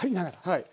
はい。